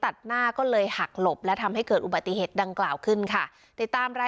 ตัดหน้าก็เลยหักหลบและทำให้เกิดอุบัติเหตุดังกล่าวขึ้นค่ะติดตามราย